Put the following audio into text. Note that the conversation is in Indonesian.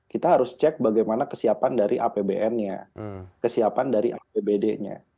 kita harus cek bagaimana kesiapan dari apbn nya kesiapan dari apbd nya